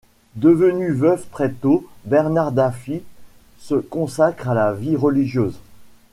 Devenu veuf très tôt, Bernard Daffis se consacre à la vie religieuse.